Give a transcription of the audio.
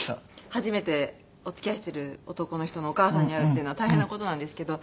初めてお付き合いしてる男の人のお母さんに会うっていうのは大変な事なんですけど。